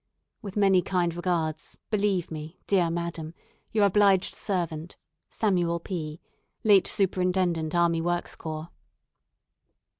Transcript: With many kind regards, believe me, dear madam, your obliged servant, "Samuel P , "Late Superintendent Army Works Corps."